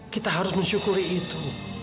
kita harus mensyukuri itu